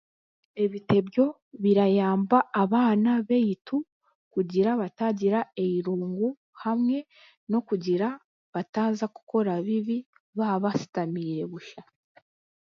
Ebitebyo birayamba abaana baitu kugira baatagira eirungu hamwe n'okugira ngu bataaza kukora ebibi baabashutamiire busha